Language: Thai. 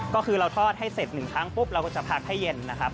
ก็คือเราทอดให้เสร็จ๑ครั้งปุ๊บเราก็จะพักให้เย็นนะครับ